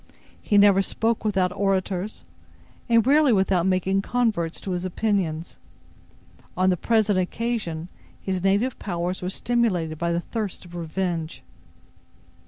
He never spoke without auditors, and rarely without making converts to his opinions. On the present occasion, his native powers were stimulated by the thirst of revenge.